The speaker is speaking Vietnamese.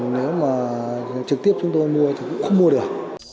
nếu mà trực tiếp chúng tôi mua thì cũng không mua được